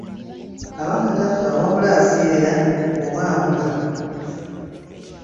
Kabaka tafa wabula aseerera oba abula.